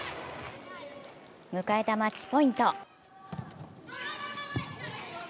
迎えたマッチポイント。